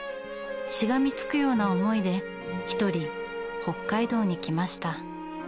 しがみつくような思いでひとり北海道に来ました。